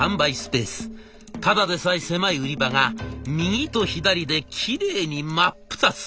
ただでさえ狭い売り場が右と左でキレイに真っ二つ！